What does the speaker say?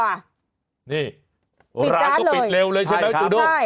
ปิดร้านเลย